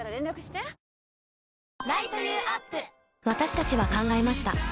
私たちは考えました